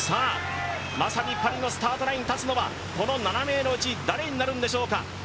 まさにパリのスタートラインに立つのは、この７名のうち誰になるのでしょうか。